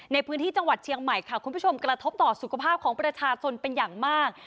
ในพื้นที่จังหวัดเชียงใหม่ค่ะคุณผู้ชมกระทบต่อสุขภาพของประชาชนเป็นอย่างมาก